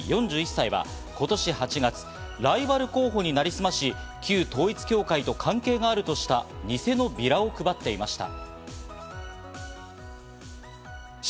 ４１歳は今年８月、ライバル候補になりすまし、旧統一教会と関係があるとした偽のビラを配っていました。